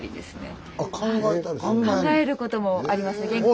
考えることもありますね。